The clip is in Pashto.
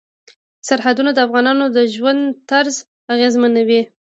سرحدونه د افغانانو د ژوند طرز اغېزمنوي.